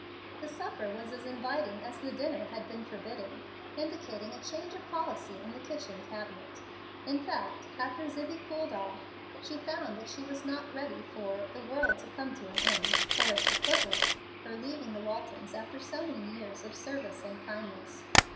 The supper was as inviting as the dinner had been forbidding, indicating a change of policy in the kitchen cabinet. In fact, after Zibbie cooled off, she found that she was not ready for "the world to come to an end" (or its equivalent, her leaving the Waltons after so many years of service and kindness).